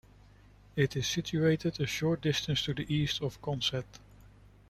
It is situated a short distance to the east of Consett.